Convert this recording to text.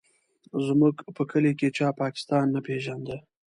زموږ په کلي کې چا پاکستان نه پېژانده.